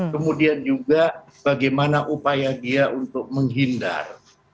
kemudian juga bagaimana upaya dia untuk menghindar